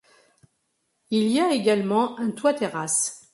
Il y a également un toit-terrasse.